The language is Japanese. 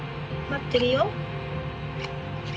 待ってるよ。